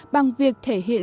bằng việc thể hiện sự luyến lai